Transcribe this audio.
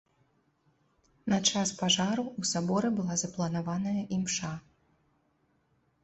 На час пажару ў саборы была запланаваная імша.